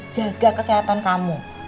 jaga kesehatan kamu